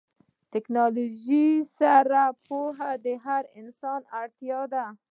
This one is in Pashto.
د ټیکنالوژۍ سره پوهه د هر انسان اړتیا ده.